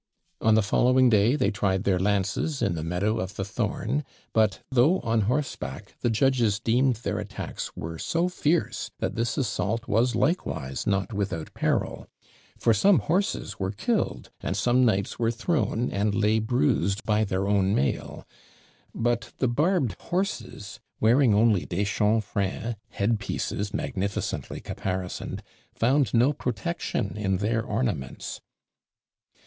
On the following day they tried their lances in the meadow of the Thorn; but, though on horseback, the judges deemed their attacks were so fierce that this assault was likewise not without peril; for some horses were killed, and some knights were thrown, and lay bruised by their own mail; but the barbed horses, wearing only des chamfreins, head pieces magnificently caparisoned, found no protection in their ornaments.